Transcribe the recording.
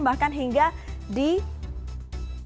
bahkan hingga diperbincangkan